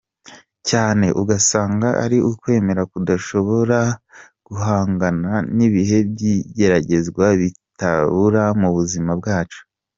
Cyane ugasanga ari ukwemera kudashobora guhangana n’ibihe by’igeragezwa bitabura mu buzima bwacu.